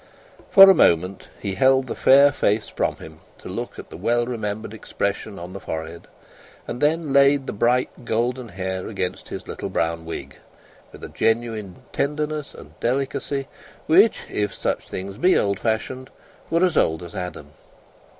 For a moment, he held the fair face from him to look at the well remembered expression on the forehead, and then laid the bright golden hair against his little brown wig, with a genuine tenderness and delicacy which, if such things be old fashioned, were as old as Adam.